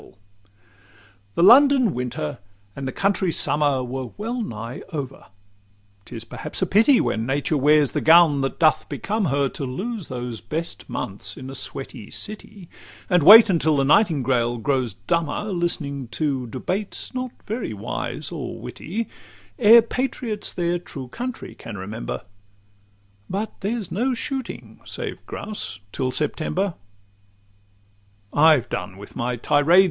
XLVIII The London winter and the country summer Were well nigh over. 'T is perhaps a pity, When nature wears the gown that doth become her, To lose those best months in a sweaty city, And wait until the nightingale grows dumber, Listening debates not very wise or witty, Ere patriots their true country can remember; But there's no shooting (save grouse) till September. XLIX I've done with my tirade.